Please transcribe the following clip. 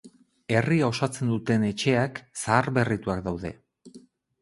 Herria osatzen duten etxeak zaharberrituak daude.